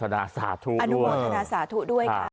อนุโมทนาสาธุด้วย